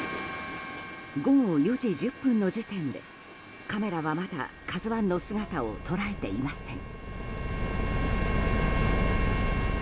午後４時１０分の時点でカメラはまだ「ＫＡＺＵ１」の姿を捉えていません。